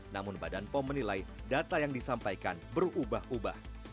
namun badan pom menilai data yang disampaikan berubah ubah